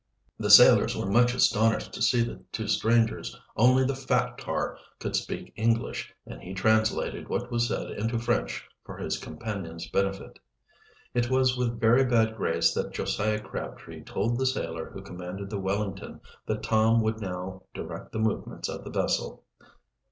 The sailors were much astonished to see the two strangers. Only the fat tar could speak English, and he translated what was said into French for his companion's benefit. It was with very bad grace that Josiah Crabtree told the sailor who commanded the Wellington that Tom would now direct the movements of the vessel.